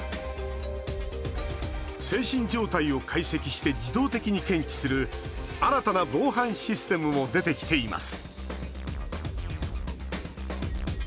精神状態を解析して自動的に検知する新たな防犯システムも出てきています